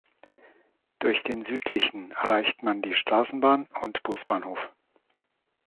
Durch den südlichen erreicht man die Straßenbahn- und Busbahnhof.